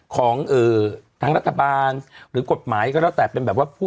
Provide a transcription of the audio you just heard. ของทางรัฐบาลหรือกฎหมายก็แล้วแต่เป็นแบบว่าผู้